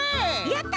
やった！